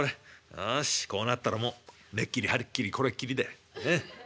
よしこうなったらもう根っきり葉っきりこれっきりだよ。